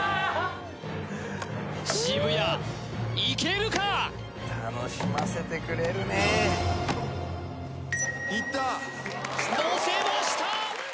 渋谷いけるか・楽しませてくれるね・いったのせました